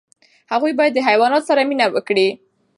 هغوی باید د حیواناتو سره مینه وکړي.